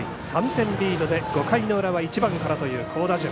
３点リードで５回の裏は１番からという好打順。